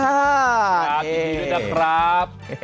ยินดีด้วยนะครับ